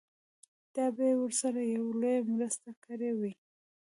دا به يې ورسره يوه لويه مرسته کړې وي.